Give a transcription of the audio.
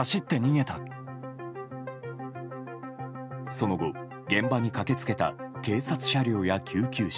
その後、現場に駆け付けた警察車両や救急車。